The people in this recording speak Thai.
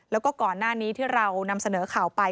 แล้วก็ก่อนหน้านี้ที่เรานำเสนอข่าวไป